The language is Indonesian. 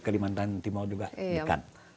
kalimantan timur juga dekat